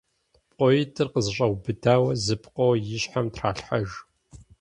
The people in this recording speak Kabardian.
ПкъоитӀыр къызэщӀиубыдэу зы пкъо и щхьэм тралъхьэж.